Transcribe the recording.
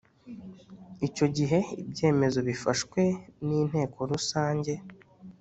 Icyo gihe ibyemezo bifashwe n inteko rusange